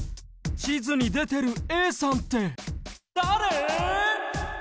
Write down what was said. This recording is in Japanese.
ちずにでてるＡさんってだれ？